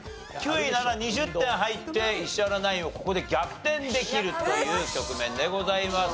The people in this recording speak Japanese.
９位なら２０点入って石原ナインをここで逆転できるという局面でございます。